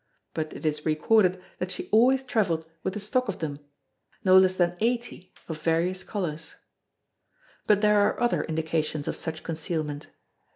But it is recorded that she always travelled with a stock of them no less than eighty of various colours. But there are other indications of such concealment.